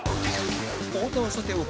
太田はさておき